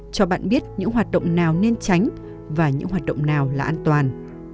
cho bạn biết những hoạt động nào nên tránh và những hoạt động nào là an toàn